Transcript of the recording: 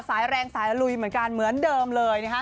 สายแรงสายลุยเหมือนกันเหมือนเดิมเลยนะฮะ